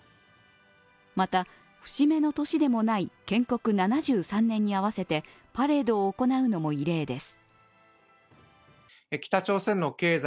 また、節目の年でもない建国７３年に合わせてパレードを行うのも異例です。